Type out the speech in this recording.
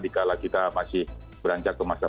dikala kita masih beranjak ke masa